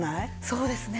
そうですね。